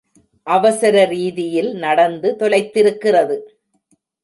அவசரரீதியில் நடந்து தொலைத்திருக்கிறது?